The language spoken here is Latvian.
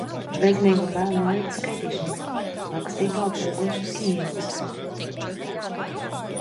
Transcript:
Bezmiegam bail no aitu skaitīšanas. Lakstīgalu pogošana ieilgst.